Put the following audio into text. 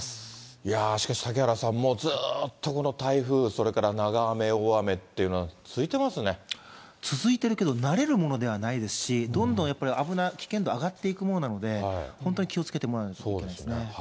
いやー、しかし嵩原さん、もうずっとこの台風、それから長雨、続いてるけど、慣れるものではないですし、どんどんやっぱり危ない、危険度上がっていくものなので、本当に気をつけてもらわないといけないですね。